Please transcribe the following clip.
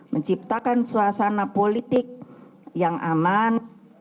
menciptakan suasana politik yang aman